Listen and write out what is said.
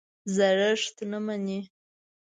زړښت نه مني.